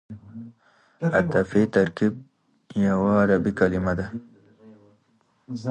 عطفي ترکیب یوه عربي کلیمه ده.